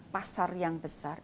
pasar yang besar